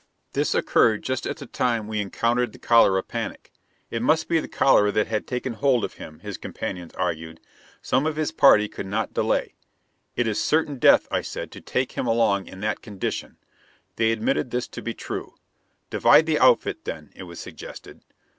This occurred just at the time when we encountered the cholera panic. It must be the cholera that had taken hold of him, his companions argued. Some of his party could not delay. "It is certain death," I said, "to take him along in that condition." They admitted this to be true. "Divide the outfit, then," it was suggested.